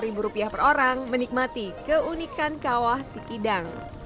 dan berapa orang menikmati keunikan kawah segidang